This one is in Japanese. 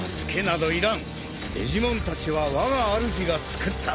デジモンたちはわがあるじが救った。